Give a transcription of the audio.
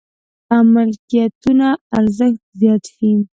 ملکيتونو ارزښت زيات شي.